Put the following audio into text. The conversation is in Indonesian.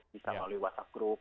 bisa melalui whatsapp group